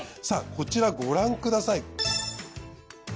さあこちらご覧ください。